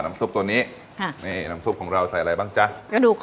น้ำซุปตัวนี้ฮะนี่น้ำซุปของเราใส่อะไรบ้างจ๊ะกระดูกข้อ